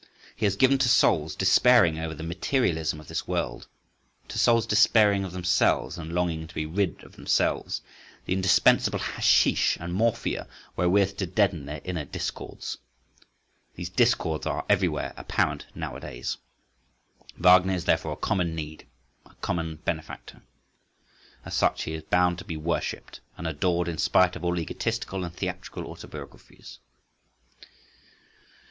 He has given to souls despairing over the materialism of this world, to souls despairing of themselves, and longing to be rid of themselves, the indispensable hashish and morphia wherewith to deaden their inner discords. These discords are everywhere apparent nowadays. Wagner is therefore a common need, a common benefactor. As such he is bound to be worshipped and adored in spite of all egotistical and theatrical autobiographies.